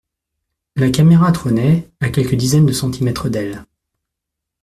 La caméra trônait, à quelques dizaines de centimètres d’elle.